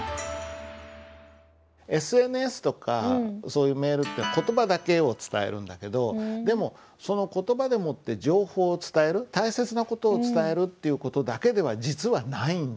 ＳＮＳとかそういうメールって言葉だけを伝えるんだけどでもその言葉でもって情報を伝える大切な事を伝えるっていう事だけでは実はないんだよね。